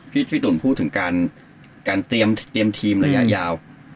พี่หนุ่มพูดถึงการเตรียมทีมระยะยาว